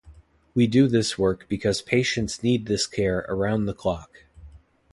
We do this work because patients need this care around the clock.